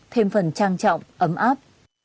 thêm phần trang trọng ấm áp